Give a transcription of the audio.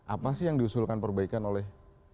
apa sih yang diusulkan perbaikan oleh